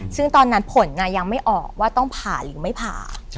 ซึ่งตอนนั้นผลยังไม่ออกว่าต้องผ่าหรือไม่ผ่า